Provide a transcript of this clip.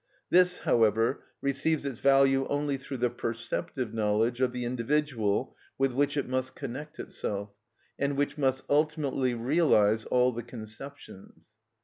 This, however, receives its value only through the perceptive knowledge of the individual with which it must connect itself, and which must ultimately realise all the conceptions.